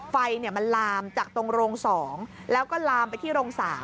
ไฟมันลามจากตรงโรง๒แล้วก็ลามไปที่โรง๓